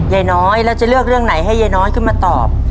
ยายน้อยแล้วจะเลือกเรื่องไหนให้ยายน้อยขึ้นมาตอบ